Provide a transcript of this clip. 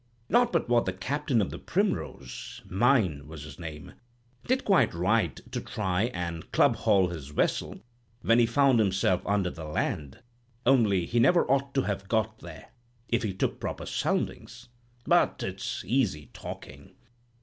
Not but what the captain of the 'Primrose'—Mein was his name—did quite right to try and club haul his vessel when he found himself under the land; only he never ought to have got there, if he took proper soundings. But it's easy talking.